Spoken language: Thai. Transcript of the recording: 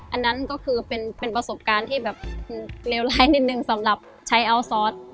อันนั้นก็คือเป็นประสบการณ์ที่แบบเลวร้ายนิดนึงสำหรับใช้อัลซอส